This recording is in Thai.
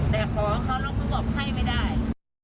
แต่ขอเขาแล้วเขาบอกให้ไม่ได้